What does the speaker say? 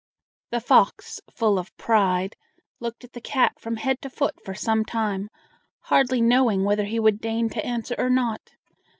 The fox, full of pride, looked at the cat from head to foot for some time, hardly knowing whether he would deign to answer or not.